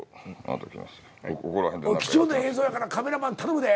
貴重な映像やからカメラマン頼むで。